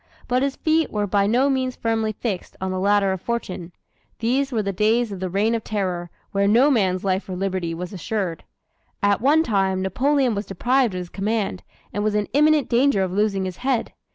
But his feet were by no means firmly fixed on the ladder of fortune. These were the days of the Reign of Terror when no man's life or liberty was assured. At one time, Napoleon was deprived of his command, and was in imminent danger of losing his head.